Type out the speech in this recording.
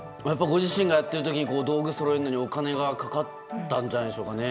ご自身がやっているときに道具をそろえるのにお金がかかったんじゃないでしょうか。